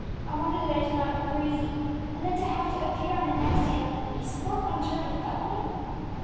I wonder that I did not go crazy! And then to have to appear on the next day in a police court, on a charge of felony!